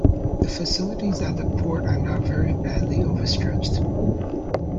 The facilities at the port are now very badly overstretched.